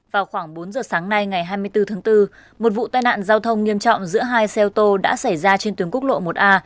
vào khoảng bốn giờ sáng nay ngày hai mươi bốn tháng bốn một vụ tai nạn giao thông nghiêm trọng giữa hai xe ô tô đã xảy ra trên tuyến quốc lộ một a